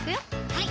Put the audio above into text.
はい